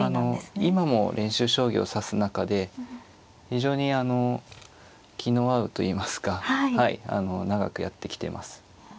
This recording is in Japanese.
今も練習将棋を指す仲で非常に気の合うといいますかはい長くやってきてます。